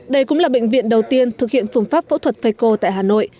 đây cũng là bệnh viện đầu tiên thực hiện phương pháp phẫu thuật faco tại hà nội